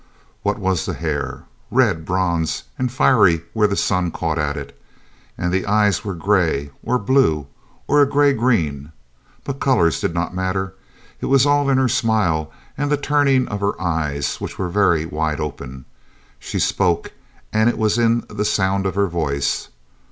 What was the hair? Red bronze, and fiery where the sun caught at it, and the eyes were gray, or blue, or a gray green. But colors did not matter. It was all in her smile and the turning of her eyes, which were very wide open. She spoke, and it was in the sound of her voice.